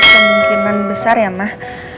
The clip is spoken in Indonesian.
kemungkinan besar ya mah